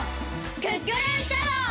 クックルンシャドー！